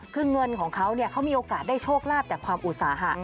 คือเงินของเขาเขามีโอกาสได้โชคลาภจากความอุตสาหะ